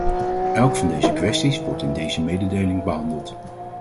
Elk van deze kwesties wordt in deze mededeling behandeld.